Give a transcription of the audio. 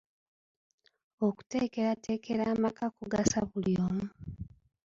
Okuteekerateekera amaka kugasa buli omu.